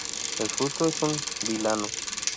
El fruto es un vilano.